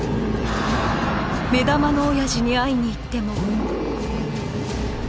目玉のおやじに会いに行っても。